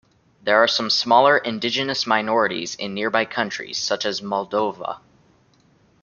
There are some smaller indigenous minorities in nearby countries such as Moldova.